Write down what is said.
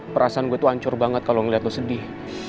perasaan gue tuh hancur banget kalau ngeliat lo sedih